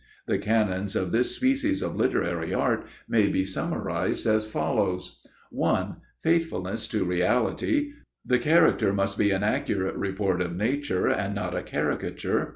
The canons of this species of literary art may be summarized as follows: 1.—Faithfulness to reality: The character must be an accurate report of nature and not a caricature.